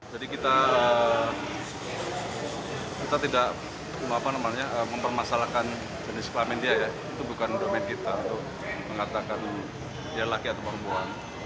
jadi kita tidak mempermasalahkan jenis kelamin dia ya itu bukan kelamin kita untuk mengatakan dia laki atau perempuan